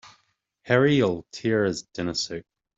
Harry'll tear his dinner suit.